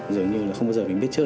dường như không bao giờ biết trước